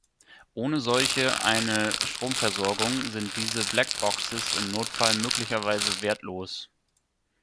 Ohne solche eine Stromversorgung sind diese Black Boxes im Notfall möglicherweise wertlos.